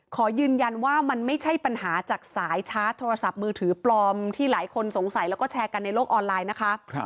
ขอยืนยันว่ามันไม่ใช่ปัญหาจากสายชาร์จโทรศัพท์มือถือปลอมที่หลายคนสงสัยแล้วก็แชร์กันในโลกออนไลน์นะคะ